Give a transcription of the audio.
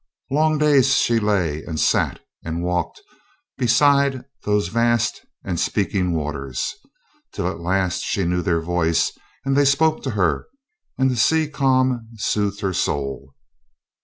Long days she lay, and sat and walked beside those vast and speaking waters, till at last she knew their voice and they spoke to her and the sea calm soothed her soul.